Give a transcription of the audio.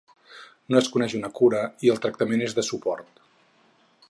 No es coneix una cura i el tractament és de suport.